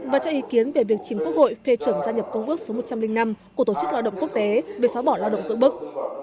và cho ý kiến về việc chính quốc hội phê chuẩn gia nhập công ước số một trăm linh năm của tổ chức lao động quốc tế về xóa bỏ lao động cưỡng bức